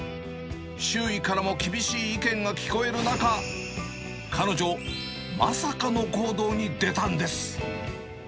周囲からも厳しい意見が聞こえる中、彼女、まさかの行動に出たんです。